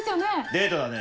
デートだね。